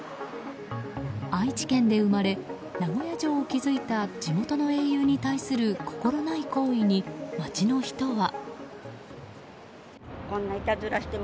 愛知県で生まれ名古屋城を築いた地元の英雄に対する心無い行為に、街の人は。